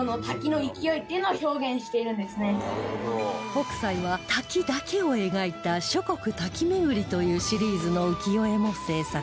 北斎は滝だけを描いた『諸国瀧廻り』というシリーズの浮世絵も制作